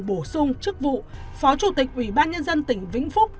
bổ sung chức vụ phó chủ tịch ủy ban nhân dân tỉnh vĩnh phúc